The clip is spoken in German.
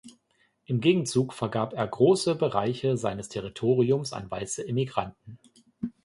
Im Gegenzug vergab er große Bereiche seines Territoriums an weiße Immigranten.